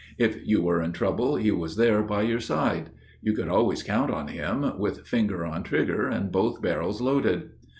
If you were in trouble He was there by your side. You could always count on him, With finger on trigger and both barrels loaded.